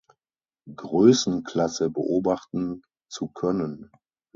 Größenklasse beobachten zu können.